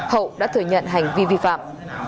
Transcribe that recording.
hậu đã thừa nhận hành vi vi phạm